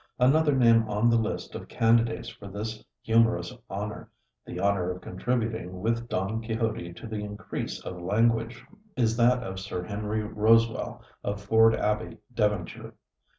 Another name on the list of candidates for this humorous honor the honor of contributing with Don Quixote to the increase of language is that of Sir Henry Rosewell of Ford Abbey, Devonshire.